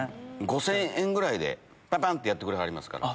５０００円ぐらいでパパン！ってやってくれはりますから。